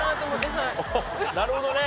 なるほどね。